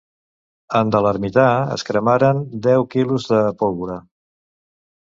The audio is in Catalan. En de l’ermita es cremaran deu kg de pólvora.